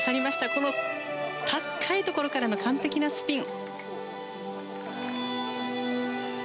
この高いところからの完璧なスピン。